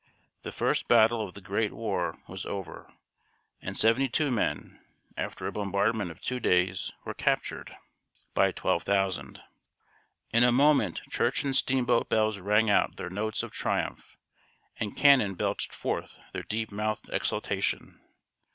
The first battle of the Great War was over, and seventy two men, after a bombardment of two days, were captured by twelve thousand! In a moment church and steamboat bells rang out their notes of triumph, and cannon belched forth their deep mouthed exultation.